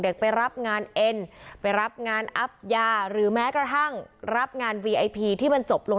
ไปรับงานเอ็นไปรับงานอัพยาหรือแม้กระทั่งรับงานวีไอพีที่มันจบลง